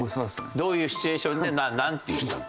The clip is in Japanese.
どういうシチュエーションでなんて言ったの？